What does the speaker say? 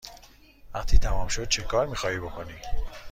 وقتی تمام شد چکار می خواهی بکنی؟